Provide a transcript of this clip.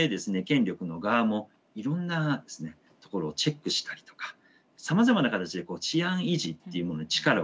権力の側もいろんなところをチェックしたりとかさまざまな形で治安維持っていうものに力を入れていくわけです。